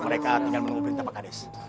mereka tinggal menunggu perintah pak kades